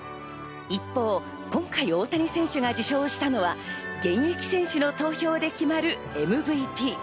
一方、今回、大谷選手が受賞したのは、現役選手の投票で決まるＭＶＰ。